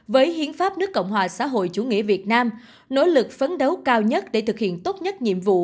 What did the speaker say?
với hiến pháp nước cộng hòa xã hội chủ nghĩa việt nam nỗ lực phấn đấu cao nhất để thực hiện tốt nhất nhiệm vụ